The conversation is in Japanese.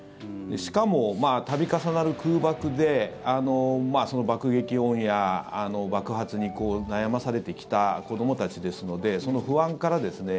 しかも、度重なる空爆でその爆撃音や爆発に悩まされてきた子どもたちですのでその不安からですね